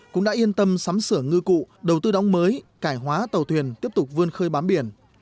cũng đã yên tâm sắm sửa ngư cụ đầu tư đóng mới cải hoá tàu thuyền tiếp tục vươn khơi bám biển